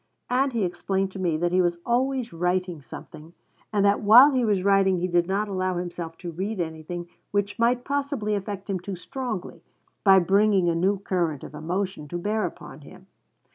And he explained to me that he was always writing something, and that while he was writing he did not allow himself to read anything which might possibly affect him too strongly, by bringing a new current of emotion to bear upon him.